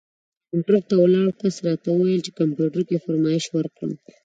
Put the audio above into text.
کاونټر ته ولاړ کس راته وویل چې کمپیوټر کې فرمایش ورکړم.